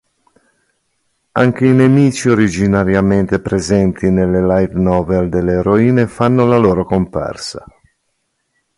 Anche i nemici originariamente presenti nelle light novel delle eroine fanno la loro comparsa.